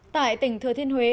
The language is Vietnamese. tại tỉnh thừa thiên huế